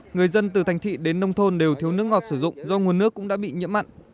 người dân từ thành thị đến nông thôn đều thiếu nước ngọt sử dụng do nguồn nước cũng đã bị nhiễm mặn